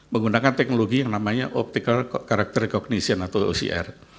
menggunakan teknologi yang namanya optical karakter cognition atau ocr